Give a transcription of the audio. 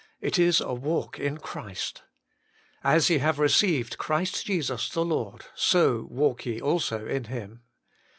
It is a walk in Christ. " As ye have received Christ Jesus the Lord, so walk ye also in Him."